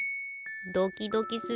ドキドキする。